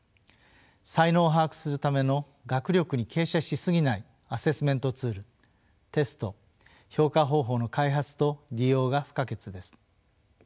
才能を把握するための学力に傾斜し過ぎないアセスメントツールテスト評価方法の開発と利用が不可欠です。